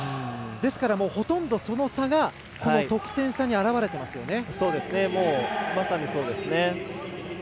ですから、ほとんどその差がこの得点差にまさにそうですね。